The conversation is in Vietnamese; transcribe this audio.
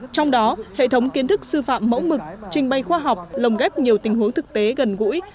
trong đó hệ thống kiến thức sư phạm mẫu mực trình bày khoa học lồng ghép nhiều tình huống thực tế gần gũi